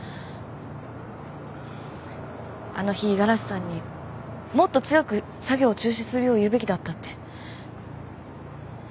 あの日五十嵐さんにもっと強く作業中止するよう言うべきだったって。